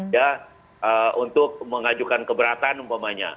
ya untuk mengajukan keberatan umpamanya